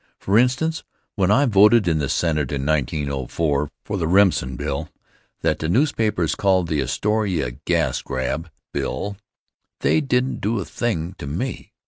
For instance, when I voted in the Senate in 1904, for the Remsen Bill that the newspapers called the "Astoria Gas Grab Bill," they didn't do a thing to me.